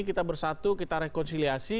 kita bersatu kita rekonsiliasi